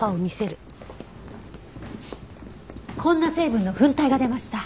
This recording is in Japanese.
こんな成分の粉体が出ました。